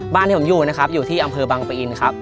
ที่ผมอยู่นะครับอยู่ที่อำเภอบังปะอินครับ